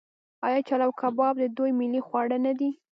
آیا چلو کباب د دوی ملي خواړه نه دي؟